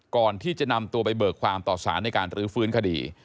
ก่อนที่จะนำตัวไปเบิกความต่อสารในการรื้อฟื้นคดี